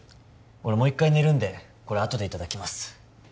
俺もう一回寝るんでこれあとでいただきます